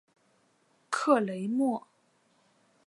克雷莫。